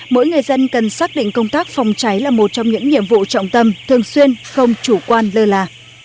mỗi người dân cần xác định công tác phòng cháy là một trong những nhiệm vụ trọng tâm thường xuyên không chủ quan lơ là